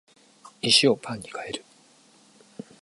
石をパンに変える